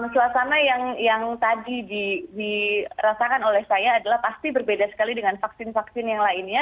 suasana yang tadi dirasakan oleh saya adalah pasti berbeda sekali dengan vaksin vaksin yang lainnya